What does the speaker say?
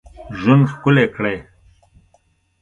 ژوند ښکلی کړی.